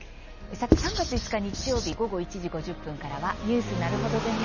３月５日日曜日午後１時５０分からは「ニュースなるほどゼミ」を放送します。